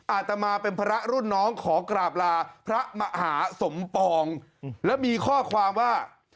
อาตมาเป็นพระรุ่นน้องขอกราบลาพระมหาสมปองแล้วมีข้อความว่า